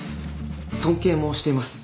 尊敬もしています。